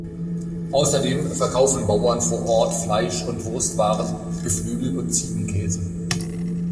Außerdem verkaufen Bauern vor Ort Fleisch- und Wurstwaren, Geflügel und Ziegenkäse.